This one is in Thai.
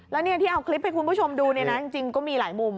และที่เอาคลิปให้คุณผู้ชมดูจริงก็มีหลายมุม